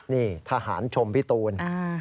นี่ทหารชมพี่ตูน